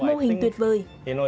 và một mô hình tuyệt vời